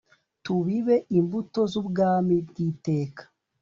Tubibe imbuto z’Ubwami bw’iteka